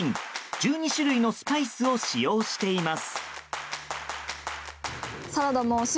１２種類のスパイスを使用しています。